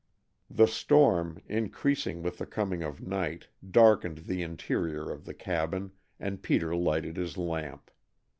The storm, increasing with the coming of night, darkened the interior of the cabin, and Peter lighted his lamp.